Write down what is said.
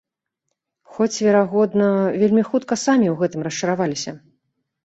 Хоць, верагодна, вельмі хутка самі ў гэтым расчараваліся.